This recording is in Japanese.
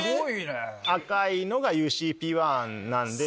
赤いのがＵＣＰ１なんで。